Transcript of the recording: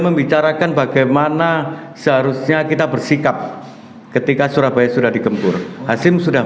membicarakan bagaimana seharusnya kita bersikap ketika surabaya sudah digempur hasim sudah